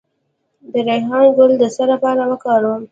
د ریحان ګل د څه لپاره وکاروم؟